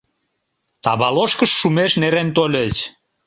Таваложкыш шумеш нерен тольыч.